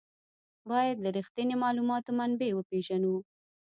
باید د رښتیني معلوماتو منبع وپېژنو.